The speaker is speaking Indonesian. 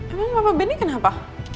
emang papa benny kenapa